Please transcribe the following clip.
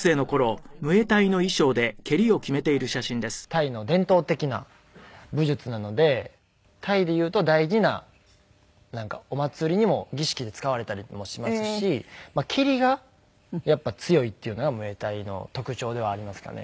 タイの伝統的な武術なのでタイでいうと大事なお祭りにも儀式で使われたりもしますし蹴りがやっぱり強いっていうのがムエタイの特徴ではありますかね。